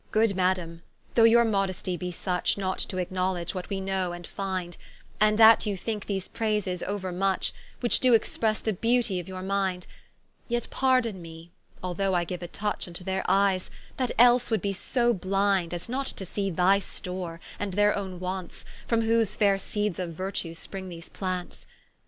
Good Madame, though your modestie be such, Not to acknowledge what we know and find; And that you think these prayses ouermuch, Which doe expresse the beautie of your mind; Yet pardon me although I giue a touch Vnto their eyes, that else would be so blind, As not to see thy store, and their owne wants, From whose faire seeds of Virtue spring these plants.